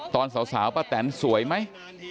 ตอนสาวป้าแตนสวยไหม